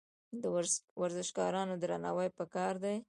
د ورزشکارانو درناوی پکار دی.